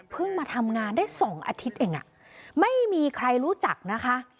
มาทำงานได้๒อาทิตย์เองไม่มีใครรู้จักนะคะ